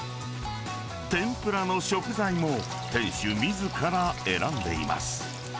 天ぷらの食材も、店主みずから選んでいます。